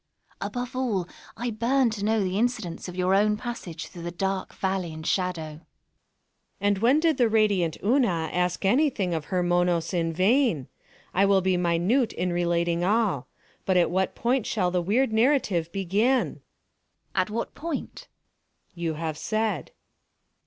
Above all, I burn to know the incidents of your own passage through the dark Valley and Shadow. _ Monos._ And when did the radiant Una ask anything of her Monos in vain? I will be minute in relating all—but at what point shall the weird narrative begin? Una. At what point? Monos. You have said.